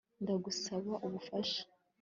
Ndagusaba ubufasha